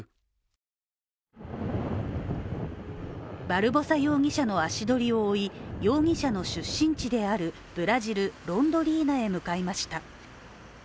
バルボサ容疑者の足取りを追い容疑者の出身地であるブラジル・ロンドリーナへ向かいました。